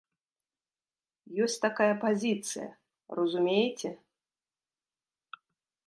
Ёсць такая пазіцыя, разумееце?